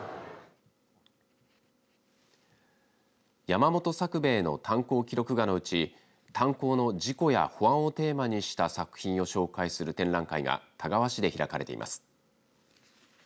山本作兵衛の炭坑記録画のうち炭坑の事故や保安をテーマにした作品を紹介する展覧会が田川市で開かれています。